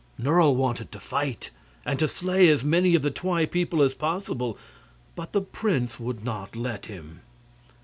Nerle wanted to fight, and to slay as many of the Twi people as possible; but the prince would not let him.